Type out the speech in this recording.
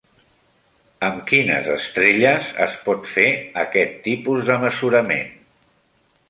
Amb quines estrelles es pot fer aquest tipus de mesurament?